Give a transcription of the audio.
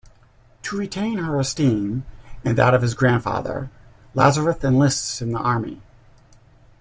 To retain her esteem and that of his grandfather, Lazarus enlists in the army.